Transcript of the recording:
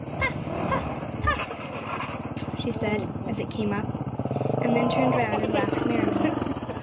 'Puff, puff, puff,' she said, as it came up, and then turned round and laughed merrily.